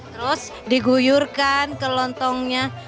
terus diguyurkan ke lontongnya